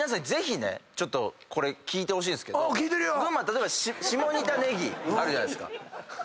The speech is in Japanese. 例えば下仁田ネギあるじゃないですか。